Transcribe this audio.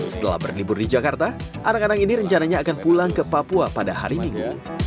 setelah berlibur di jakarta anak anak ini rencananya akan pulang ke papua pada hari minggu